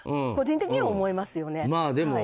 個人的には思いますよね。